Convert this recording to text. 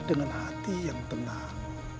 dengan hati yang tenang